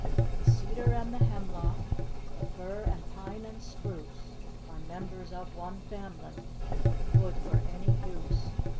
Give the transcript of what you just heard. The cedar and the hemlock, the fir and pine and spruce, Are members of one family with wood for any use.